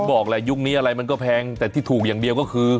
บอกแหละยุคนี้อะไรมันก็แพงแต่ที่ถูกอย่างเดียวก็คือ